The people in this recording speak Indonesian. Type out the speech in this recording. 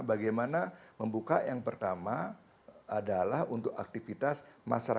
bagaimana membuka yang pertama adalah untuk aktivitas masyarakat